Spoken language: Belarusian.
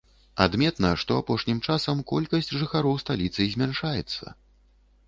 Адметна, што апошнім часам колькасць жыхароў сталіцы змяншаецца.